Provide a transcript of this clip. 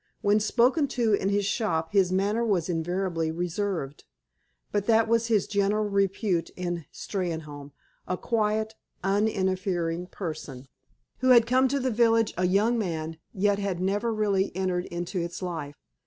When spoken to in his shop his manner was invariably reserved. But that was his general repute in Steynholme—a quiet, uninterfering person, who had come to the village a young man, yet had never really entered into its life.